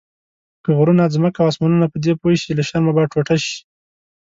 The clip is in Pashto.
که غرونه، ځمکه او اسمانونه پدې پوه شي له شرمه به ټوټه شي.